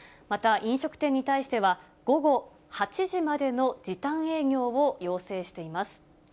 また、飲食店に対しては、午後８時までの時短営業を要請しています。